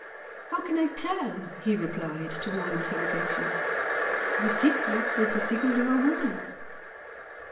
"How can I tell!" he replied, to all interrogations. "The secret is the secret of a woman!"